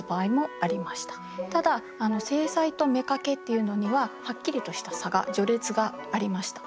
ただ正妻と妾っていうのにははっきりとした差が序列がありました。